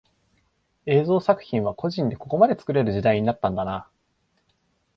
映像作品は個人でここまで作れる時代になったんだな